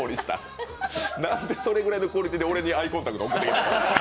何でそれぐらいのクオリティーで俺にアイコンタクト送ってくるんだ。